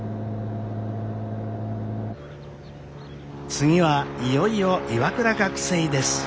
次はいよいよ岩倉学生です。